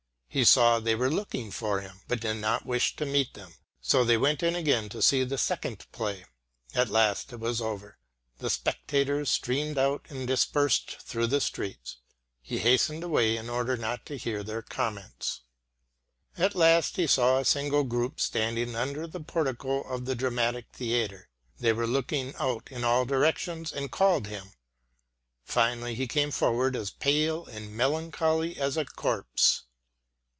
He saw they were looking for him but did not wish to meet them. So they went in again to see the second play. At last it was over. The spectators streamed out and dispersed through the streets. He hastened away in order not to hear their comments. At last he saw a single group standing under the portico of the dramatic theatre. They were looking out in all directions and called him. Finally he came forward as pale and melancholy as a corpse.